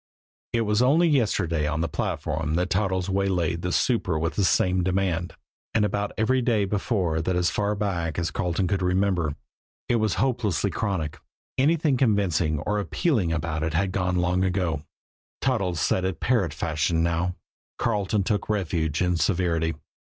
It was only yesterday on the platform that Toddles had waylaid the super with the same demand and about every day before that as far back as Carleton could remember. It was hopelessly chronic. Anything convincing or appealing about it had gone long ago Toddles said it parrot fashion now. Carleton took refuge in severity.